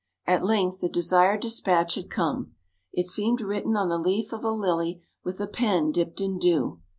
At length, the desired despatch had come; it seemed written on the leaf of a lily with a pen dipped in dew.